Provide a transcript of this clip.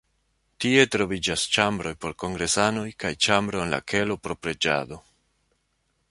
Tie troviĝas ĉambroj por kongresanoj kaj ĉambro en la kelo por preĝado.